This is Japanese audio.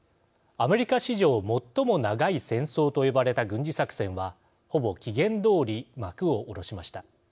アメリカ史上、最も長い戦争と呼ばれた軍事作戦はほぼ期限どおり幕を下ろしました。